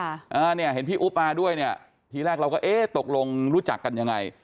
อ่าเนี่ยเห็นพี่อุ๊บมาด้วยเนี่ยทีแรกเราก็เอ๊ะตกลงรู้จักกันยังไง